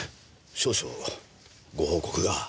少々ご報告が。